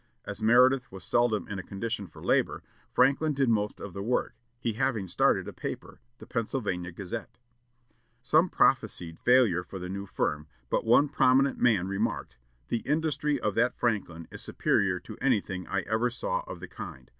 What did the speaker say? As Meredith was seldom in a condition for labor, Franklin did most of the work, he having started a paper the Pennsylvania Gazette. Some prophesied failure for the new firm, but one prominent man remarked: "The industry of that Franklin is superior to anything I ever saw of the kind.